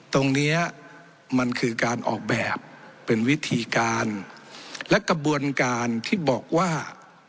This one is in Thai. ตรงเนี้ยมันคือการออกแบบเป็นวิธีการและกระบวนการที่บอกว่า